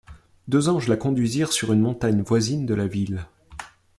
Deux anges la conduisirent sur une montagne voisine de la ville.